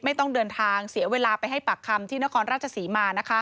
ไม่ต้องเดินทางเสียเวลาไปให้ปากคำที่นครราชศรีมา